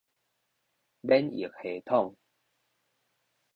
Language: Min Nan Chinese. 免疫系統